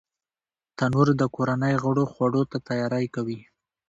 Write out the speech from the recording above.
تنور د کورنۍ غړو خوړو ته تیاری کوي